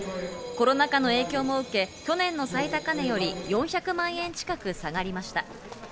コロナ禍の影響も受け、去年の最高値より４００万円近く下がりました。